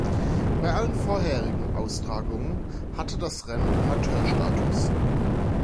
Bei allen vorherigen Austragungen hatte das Rennen Amateur-Status.